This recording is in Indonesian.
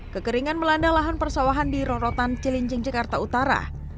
kekeringan melanda lahan persawahan di rorotan cilincing jakarta utara